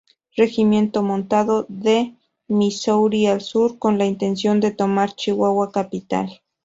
Regimiento Montado de Missouri al sur con la intención de tomar Chihuahua Capital.